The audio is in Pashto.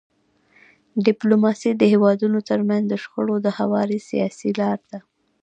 ډيپلوماسي د هیوادونو ترمنځ د شخړو د هواري سیاسي لار ده.